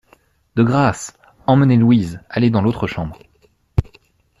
De grâce, emmenez Louise, allez dans l'autre chambre.